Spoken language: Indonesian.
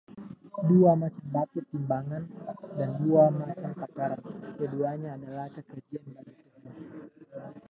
Dua macam batu timbangan dan dua macam takaran, keduanya adalah kekejian bagi Tuhan.